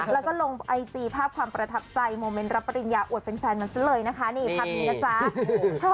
แล้วก็ลงไอจีภาพความประทับใจโมเมนต์รับปริญญาอวดแฟนมันซะเลยนะคะนี่ภาพนี้นะจ๊ะ